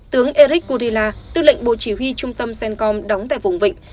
tướng eric kurila tư lệnh bộ chỉ huy trung tâm cencom đóng tại vùng vịnh